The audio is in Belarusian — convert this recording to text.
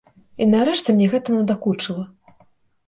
І нарэшце мне гэта надакучыла.